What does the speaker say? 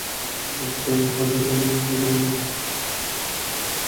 অন্যথায়, হজযাত্রীদের হজযাত্রা বিঘ্নিত হলে তার দায়িত্ব বিমান কোনোভাবেই নেবে না।